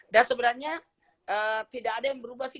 sebenarnya tidak ada yang berubah sih